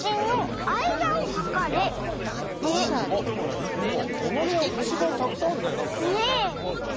あっなんかこのへやほしがたくさんあるねなんかね。